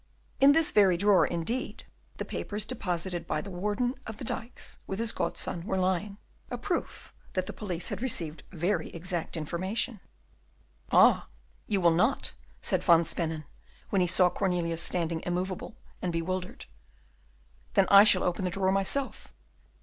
In this very drawer, indeed the papers deposited by the Warden of the Dikes with his godson were lying; a proof that the police had received very exact information. "Ah! you will not," said Van Spennen, when he saw Cornelius standing immovable and bewildered, "then I shall open the drawer myself."